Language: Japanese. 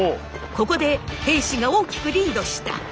ここで平氏が大きくリードした！